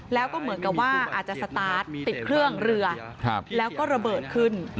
แล้วก็เหมือนกับว่าอาจจะสตาร์ทติดเครื่องเรือแล้วก็ระเบิดขึ้น